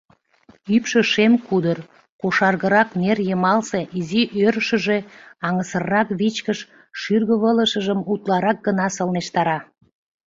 Ӱпшӧ шем кудыр, кошаргырак нер йымалсе изи ӧрышыжӧ аҥысыррак вичкыж шӱргывылышыжым утларак гына сылнештара.